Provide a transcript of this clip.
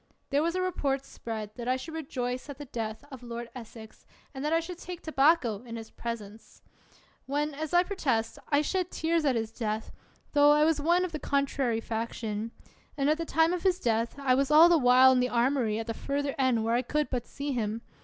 There was a report spread that I should re joice at the death of Lord Essex, and that I should take tobacco in his presence ; when, as I 37 THE WORLD'S FAMOUS ORATIONS protest, I shed tears at his death, tho I was one of the contrary faction ; and, at the time of his death, I was all the while in the armory at the further end where I could but see him.